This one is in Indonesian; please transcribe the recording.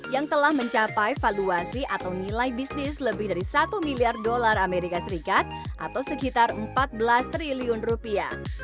yang telah mencapai valuasi atau nilai bisnis lebih dari satu miliar dolar amerika serikat atau sekitar empat belas triliun rupiah